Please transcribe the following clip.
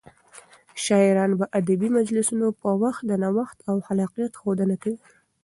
شاعران به د ادبي مجلسونو په وخت د نوښت او خلاقيت ښودنه کوله.